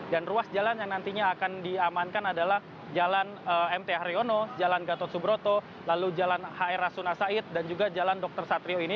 dan ruas jalan yang nantinya akan diamankan adalah jalan mt haryono jalan gatot subroto lalu jalan hr rasuna said dan juga jalan dr satrio ini